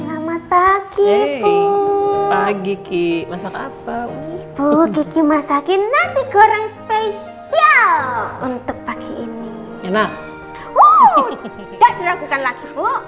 selamat pagi pagi masak apa masakin nasi goreng spesial untuk pagi ini enak